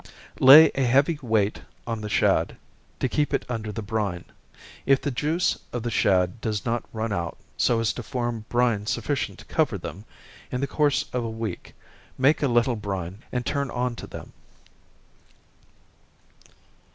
Lay a heavy weight on the shad, to keep it under the brine. If the juice of the shad does not run out so as to form brine sufficient to cover them, in the course of a week, make a little brine, and turn on to them.